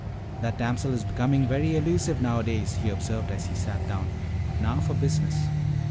"That damsel is becoming very elusive nowadays," he observed as he sat down. "But now for business."